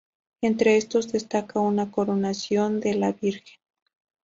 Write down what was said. Entre estos destaca una "Coronación de la Virgen".